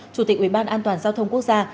chủ tịch ủy ban an toàn giao thông quốc gia